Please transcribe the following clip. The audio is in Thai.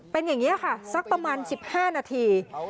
เป็นอย่างนี้ค่ะสักประมาณ๑๕นาที